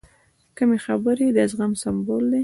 کمې خبرې، د زغم سمبول دی.